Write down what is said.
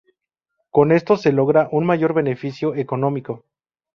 Con esto se logra un mayor beneficio económico.